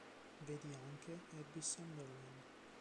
Vedi anche: Abby Sunderland